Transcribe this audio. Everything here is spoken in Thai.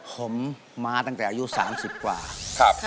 ผมมาตั้งแต่อายุ๓๐กว่า